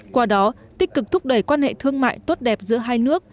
qua đó tích cực thúc đẩy quan hệ thương mại tốt đẹp giữa hai nước